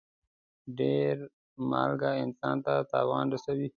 ډېر مالګه انسان ته تاوان رسوي.